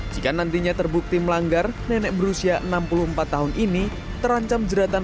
jika nantinya terbukti melanggar nenek berusia enam puluh empat tahun ini terancam jeratan